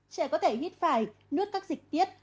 trẻ có thể hít phải nuốt các dịch tiết